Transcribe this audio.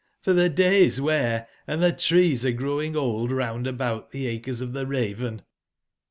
for tbe days wear, and tbe trees are growing old round about tbe Hcres of tbe Raven."